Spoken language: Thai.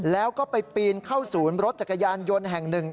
แล้วก็ไปปีนเข้าศูนย์รถจักรยานยนต์แห่งหนึ่ง